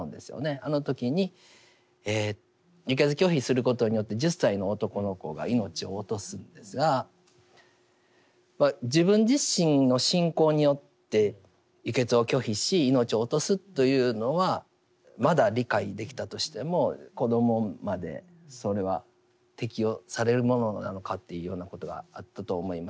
あの時に輸血拒否することによって１０歳の男の子が命を落とすんですが自分自身の信仰によって輸血を拒否し命を落とすというのはまだ理解できたとしても子どもまでそれは適用されるものなのかというようなことがあったと思います。